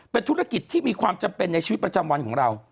เป็นธุรกิจที่มีความจำเป็นในชีวิตประจำวันของเรา